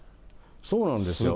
そうなんですよ。